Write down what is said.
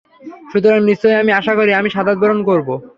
সুতরাং নিশ্চয় আমি আশা করি, আমি শাহাদাত বরণ করব।